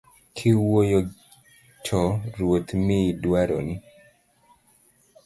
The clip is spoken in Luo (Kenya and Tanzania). Kikuayo to Ruoth miyi dwaroni